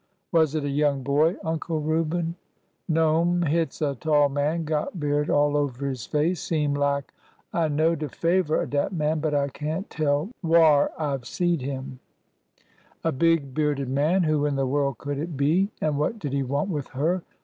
'' Was it a young boy, Uncle Reuben? ''" No'm, hit 's a tall man; got beard all over his face. Seem lak I know de favor of dat man, but I can't tell whai I 've seed 'im." A big, bearded man ! Who in the world could it be ? And what did he want with her?